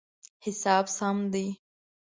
حساب سم دی